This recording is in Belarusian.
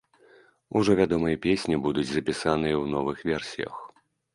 Ужо вядомыя песні будуць запісаныя ў новых версіях.